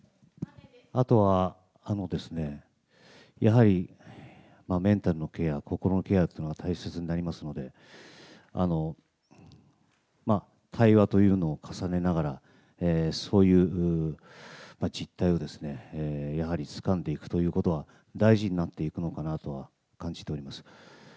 あとはやはりメンタルのケア、心のケアというのが大切になりますので、対話というのを重ねながら、そういう実態をやはりつかんでいくということは、大事になっていくのかなとは感じております。